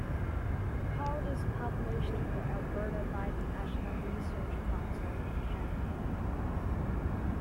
The Code is published for Alberta by the National Research Council of Canada.